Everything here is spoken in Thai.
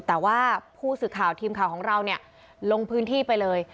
แต่ว่าผู้สื่อข่าวทีมข่าวของเราเนี่ยลงพื้นที่ไปเลย